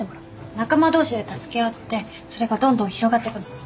仲間同士で助け合ってそれがどんどん広がってくの。